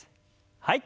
はい。